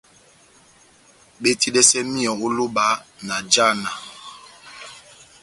Betidɛsɛ míyɔ ó lóba na jána.